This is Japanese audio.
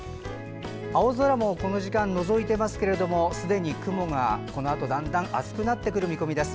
青空もこの時間のぞいていますけれどもすでに雲がこのあとだんだん厚くなってくる見込みです。